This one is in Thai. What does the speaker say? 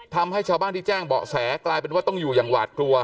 ทำให้ชาวบ้านที่แจ้งเบาะแสว่าจะอยู่อย่างหวาดกลัว